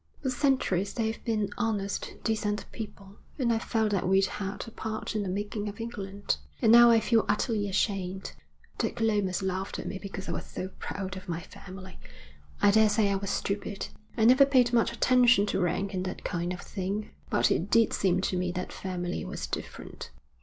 For centuries they've been honest, decent people, and I felt that we'd had a part in the making of England. And now I feel utterly ashamed. Dick Lomas laughed at me because I was so proud of my family. I daresay I was stupid. I never paid much attention to rank and that kind of thing, but it did seem to me that family was different.